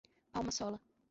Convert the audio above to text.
Palma Sola